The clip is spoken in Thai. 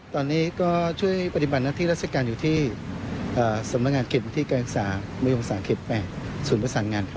ตอนนี้ก็ช่วยปฏิบัติหน้าที่ราชการอยู่ที่สำนักงานเขตพื้นที่การศึกษามยงศาสเขต๘ศูนย์ประสานงานครับ